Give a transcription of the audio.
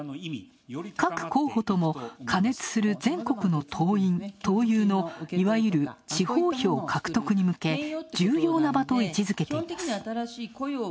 各候補とも過熱する全国の党員・党友のいわゆる地方票獲得に向け、重要な場と位置づけています。